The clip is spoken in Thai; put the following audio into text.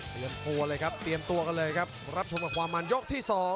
พร้อมพวกเรามาสรุปกันเลยครับ